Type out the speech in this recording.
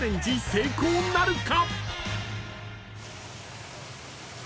成功なるか！？］